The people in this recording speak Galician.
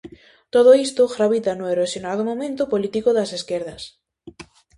Todo isto gravita no erosionado momento político das esquerdas.